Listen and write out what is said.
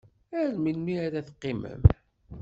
Ar melmi ara teqqimem?